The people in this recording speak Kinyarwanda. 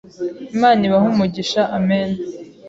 Imana ibahe umugisha, amena